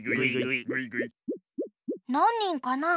なんにんかな？